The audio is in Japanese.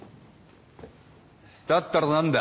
だったら何だ。